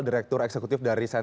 direktur eksekutif negeri indonesia